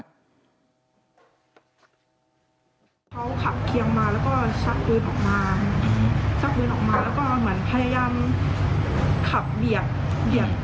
เขาขับเคียงมาแล้วก็ชักปืนออกมาชักปืนออกมาแล้วก็เหมือนพยายามขับเบียดเบียด